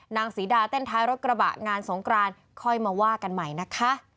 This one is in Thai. ศรีดาเต้นท้ายรถกระบะงานสงกรานค่อยมาว่ากันใหม่นะคะ